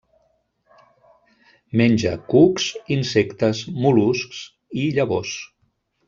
Menja cucs, insectes, mol·luscs i llavors.